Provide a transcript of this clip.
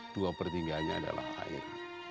dua pertiganya adalah air